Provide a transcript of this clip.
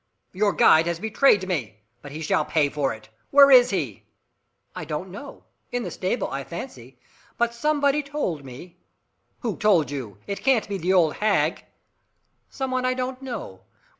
"Your guide has betrayed me but he shall pay for it! Where is he?" "I don't know. In the stable, I fancy. But somebody told me " "Who told you? It can't be the old hag " "Some one I don't know.